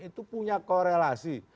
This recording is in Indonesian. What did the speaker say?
itu punya korelasi